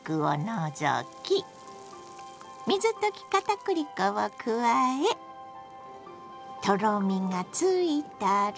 水溶き片栗粉を加えとろみがついたら。